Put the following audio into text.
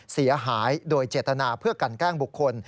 เสียหายโดยเจตนาเพื่อกันแกล้งบุคคล